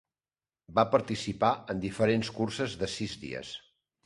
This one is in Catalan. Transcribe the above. Va participar en diferents curses de sis dies.